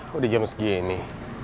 kok di jam segini